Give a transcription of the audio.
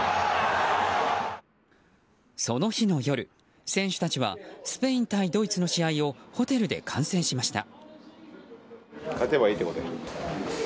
その日の夜、選手たちはスペイン対ドイツの試合をホテルで観戦しました。